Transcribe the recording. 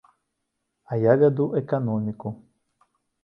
А я вяду эканоміку.